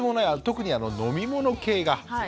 特に飲み物系が。